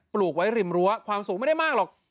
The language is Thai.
ลูกไว้ริมรั้วความสูงไม่ได้มากหรอก